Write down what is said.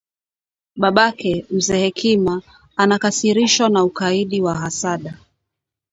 Babake, Mzee Hekima anakasirishwa na ukaidi wa Hasada